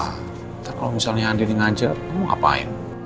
ntar kalau misalnya andi ini ngajar kamu ngapain